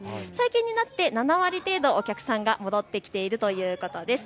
最近になって７割程度お客さんが戻ってきているということです。